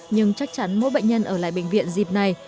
nhưng chắc chắn mỗi bệnh nhân ở lại bệnh viện dịp này